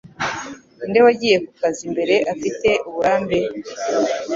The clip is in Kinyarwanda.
Ninde wagiye ku kazi mbere afite uburambe